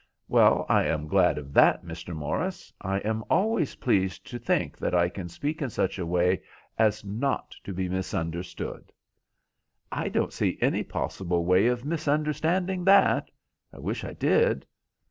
"Well, I am glad of that, Mr. Morris. I am always pleased to think that I can speak in such a way as not to be misunderstood." "I don't see any possible way of misunderstanding that. I wish I did."